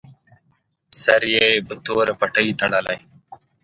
سر یې په توره پټۍ تړلی.